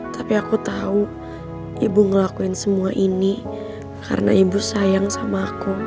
tapi aku tahu ibu ngelakuin semua ini karena ibu sayang sama aku